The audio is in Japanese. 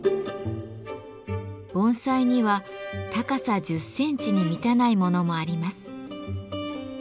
盆栽には高さ１０センチに満たないものもあります。